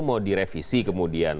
mau direvisi kemudian